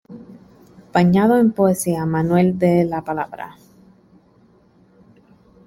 Bañado en poesía Manuel de la Puebla.